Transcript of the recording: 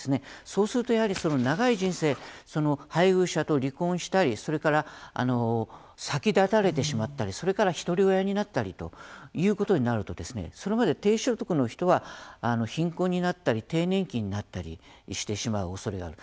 そうすると、やはり長い人生配偶者と離婚したりそれから先立たれてしまったりそれから１人親になったりということになるとそれまで低所得の人は貧困になったり低年金になったりしてしまうおそれがある。